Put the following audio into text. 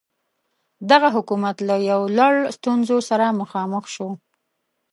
دغه حکومت له یو لړ ستونزو سره مخامخ شو.